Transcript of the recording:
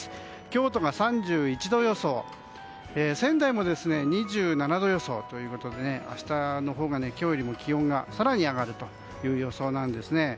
京都が３１度予想仙台も２７度予想ということで明日のほうが今日よりも気温が更に上がるということです。